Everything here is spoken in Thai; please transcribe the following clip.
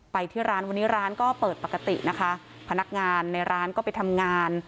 ไปที่ร้านวันนี้ร้านก็เปิดปกตินะคะพนักงานในร้านก็ไปทำงาน